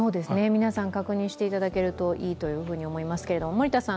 皆さん、確認していただけるといいと思います。